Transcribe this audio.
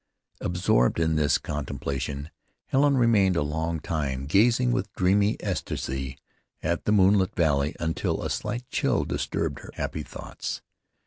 Absorbed in this contemplation Helen remained a long time gazing with dreamy ecstasy at the moonlit valley until a slight chill disturbed her happy thoughts.